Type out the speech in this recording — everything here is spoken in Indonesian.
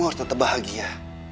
kamu harus tetap bahagia